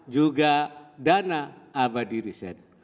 juga dana abadi riset